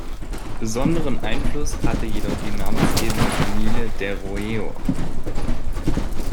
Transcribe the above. Besonderen Einfluss hatte jedoch die namensgebende Familie der "Roero".